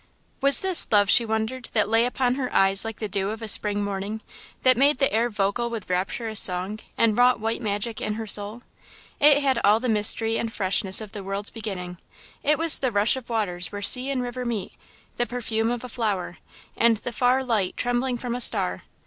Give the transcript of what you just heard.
Was this love, she wondered, that lay upon her eyes like the dew of a Spring morning, that made the air vocal with rapturous song, and wrought white magic in her soul? It had all the mystery ind freshness of the world's beginning; it was the rush of waters where sea and river meet, the perfume of a flower, and the far light trembling from a star.